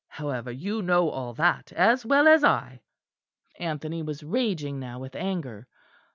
However, you know all that as well as I." Anthony was raging now with anger.